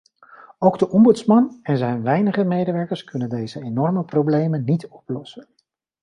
Ook de ombudsman en zijn weinige medewerkers kunnen deze enorme problemen niet oplossen.